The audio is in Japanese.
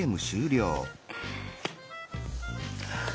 はあ。